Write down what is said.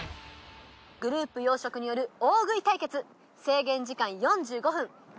グループ洋食による大食い対決制限時間４５分。